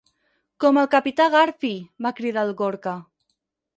Com el capità Garfi! —va cridar el Gorka.